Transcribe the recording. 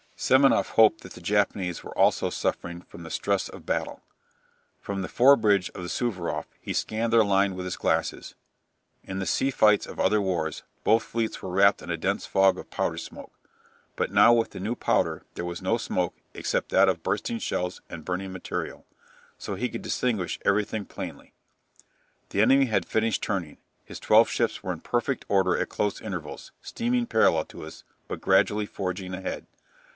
Semenoff hoped that the Japanese were also suffering from the stress of battle. From the fore bridge of the "Suvaroff" he scanned their line with his glasses. In the sea fights of other wars both fleets were wrapped in a dense fog of powder smoke, but now with the new powder there was no smoke except that of bursting shells and burning material. So he could distinguish everything plainly. "The enemy had finished turning. His twelve ships were in perfect order at close intervals, steaming parallel to us, but gradually forging ahead.